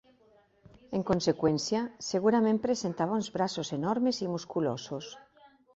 En conseqüència, segurament presentava uns braços enormes i musculosos.